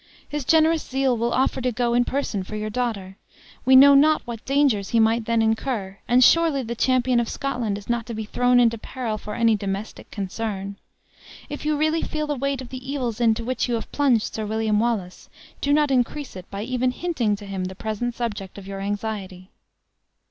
His generous zeal will offer to go in person for your daughter. We know not what dangers he might then incur; and surely the champion of Scotland is not to be thrown into peril for any domestic concern! If you really feel the weight of the evils into which you have plunged Sir William Wallace, do not increase it, by even hinting to him the present subject of your anxiety."